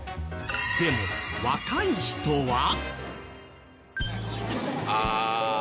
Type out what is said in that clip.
でも若い人は。ああ。